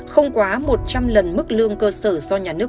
không quá một trăm linh lần mức lương cơ sở do nhà nước